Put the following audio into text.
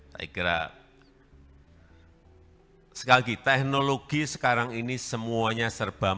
saya kira sekali lagi teknologi sekarang ini semuanya serba macam